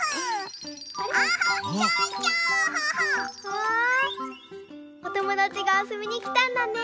うわおともだちがあそびにきたんだね。